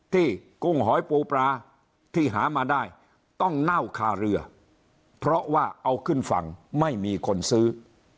กุ้งหอยปูปลาที่หามาได้ต้องเน่าคาเรือเพราะว่าเอาขึ้นฝั่งไม่มีคนซื้อ